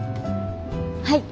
はい。